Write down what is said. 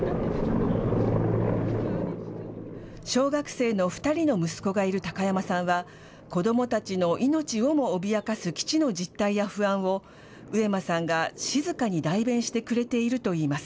小学生の２人の息子がいる高山さんは、子どもたちの命をも脅かす基地の実態や不安を上間さんが静かに代弁してくれているといいます。